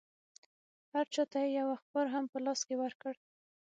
هر چا ته یې یو اخبار هم په لاس کې ورکړ.